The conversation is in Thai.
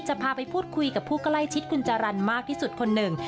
จะพาไปพูดคุยกับผู้ใกล้ชิดจารันดิ์มโว้ดมากที่สุดคนหนึ่ง